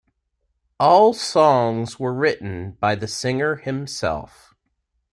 All songs were written by the singer himself.